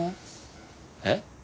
えっ？